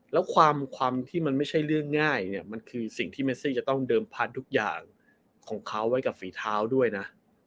แล้วความที่มันไม่ใช่เรื่องง่ายเนี่ยมันคือสิ่งที่เมซี่จะต้องเดิมพันธุ์ทุกอย่างของเขาไว้กับฝีเท้าด้วยนะ